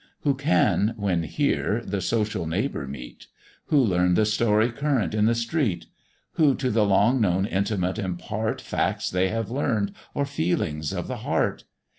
Who can, when here, the social neighbour meet? Who learn the story current in the street? Who to the long known intimate impart Facts they have learn'd or feelings of the heart?